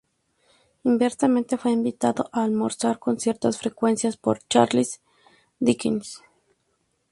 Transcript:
Inversamente, fue invitado a almorzar con cierta frecuencia por Charles Dickens.